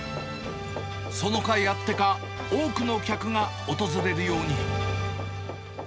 そのかいあってか、多くの客が訪れるように。